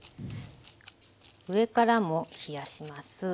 上からも冷やします。